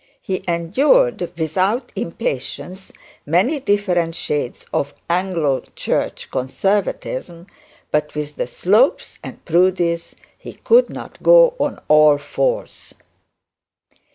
He endured without impatience many different shades of Anglo church conservatism; but with the Slopes and Proudies he could not go on all fours.